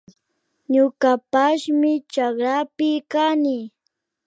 Ñukapashmi chakrapi kani